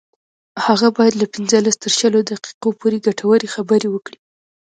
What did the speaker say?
هغه باید له پنځلس تر شلو دقیقو پورې ګټورې خبرې وکړي